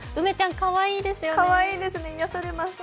かわいいですね、癒されます。